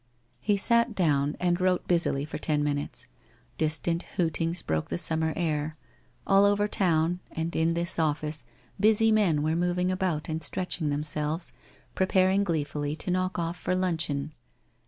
He sat down and wrote busily for ten minutes. Distant hootings broke the summer air. All over town, and in this office busy men were moving about and stretching themselves, preparing gleefully to knock off for luncheon.